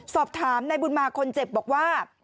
สอบถามนายบุญมาคนเจ็บบอกว่า